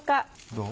どう？